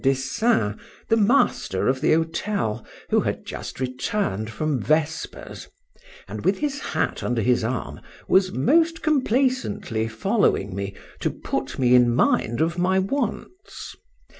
Dessein, the master of the hôtel, who had just returned from vespers, and with his hat under his arm, was most complaisantly following me, to put me in mind of my wants.